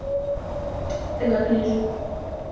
— Тыгак лийже.